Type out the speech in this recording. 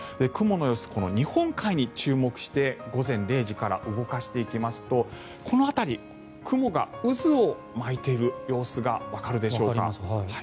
雲の様子日本海に注目して午前０時から動かしていきますとこの辺り、雲が渦を巻いている様子がわかるでしょうか。